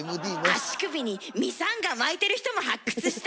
足首にミサンガ巻いてる人も発掘した！